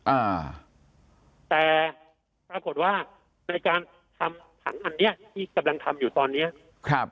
อ่าแต่ปรากฏว่าในการทำผันอันเนี้ยที่กำลังทำอยู่ตอนเนี้ยครับ